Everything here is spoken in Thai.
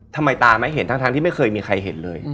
ทำไมตาไม่เห็นทั้งที่ไม่เคยมีใครเห็นเลย